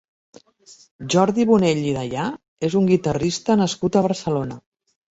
Jordi Bonell i Deià és un guitarrista nascut a Barcelona.